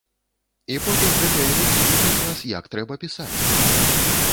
І потым гэтыя людзі вучаць нас, як трэба пісаць!